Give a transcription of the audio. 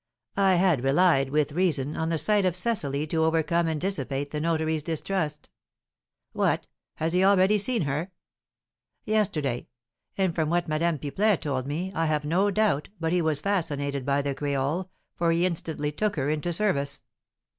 "I had relied, with reason, on the sight of Cecily to overcome and dissipate the notary's distrust." "What! Has he already seen her?" "Yesterday. And from what Madame Pipelet told me, I have no doubt but he was fascinated by the creole, for he instantly took her into service."